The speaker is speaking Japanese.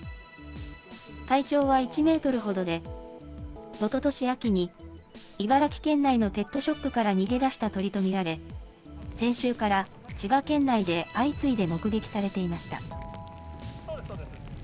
体長は１メートルほどで、おととし秋に茨城県内のペットショップから逃げ出した鳥と見られ、先週から千葉県内で相次いで目撃されていました。